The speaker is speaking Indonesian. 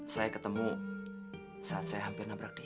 saya ketemu saat saya hampir nabrak dia